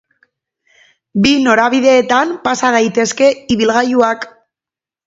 Bi norabideetan pasa daitezke ibilgailuak.